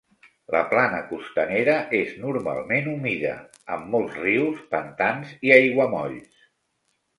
La plana costanera és normalment humida, amb molts rius, pantans i aiguamolls.